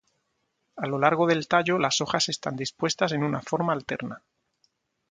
A lo largo del tallo las hojas están dispuestas en una forma alterna.